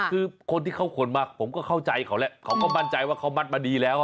คือคนที่เขาขนมาผมก็เข้าใจเขาแหละเขาก็มั่นใจว่าเขามัดมาดีแล้ว